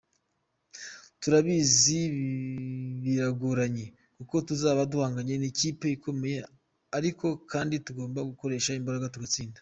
Turabizi biragoranye kuko tuzaba duhanganye n’ikipe ikomeye ariko kandi tugomba gukoresha imbaraga tugatsinda.